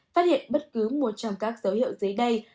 phát hiện bất cứ một trong các dấu hiệu dưới đây